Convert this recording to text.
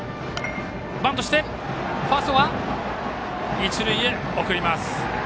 バントしてファーストは一塁へ送ります。